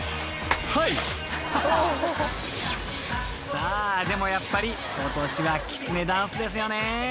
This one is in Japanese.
［さあでもやっぱりことしはきつねダンスですよね］